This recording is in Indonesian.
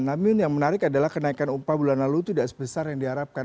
namun yang menarik adalah kenaikan upah bulan lalu tidak sebesar yang diharapkan